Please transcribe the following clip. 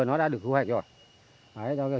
nó đã được thu hoạch rồi